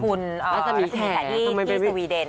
คุณด่านกระดีศที่สวีเดน